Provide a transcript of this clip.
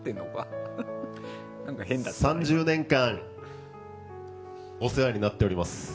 ３０年間お世話になっております。